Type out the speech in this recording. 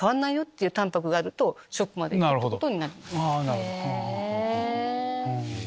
なるほど。